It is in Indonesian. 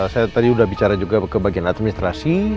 saya tadi sudah bicara juga ke bagian administrasi